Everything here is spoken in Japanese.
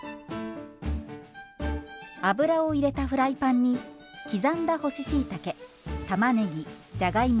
油を入れたフライパンに刻んだ干ししいたけたまねぎじゃがいも